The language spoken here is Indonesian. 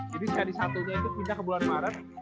jadi seri satu nya itu pindah ke bulan maret